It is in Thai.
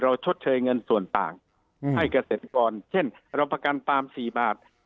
ชดเชยเงินส่วนต่างให้เกษตรกรเช่นเราประกันปาม๔บาท